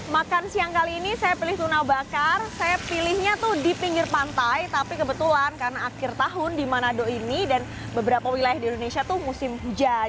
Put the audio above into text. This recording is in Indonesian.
makan siang kali ini saya pilih tuna bakar saya pilihnya tuh di pinggir pantai tapi kebetulan karena akhir tahun di manado ini dan beberapa wilayah di indonesia tuh musim hujan